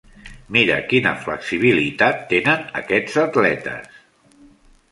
Mira quina flexibilitat tenen aquests atletes!